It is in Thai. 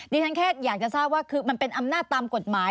ฉันแค่อยากจะทราบว่าคือมันเป็นอำนาจตามกฎหมาย